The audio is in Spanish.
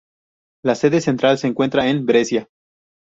La sede central se encuentra en Brescia.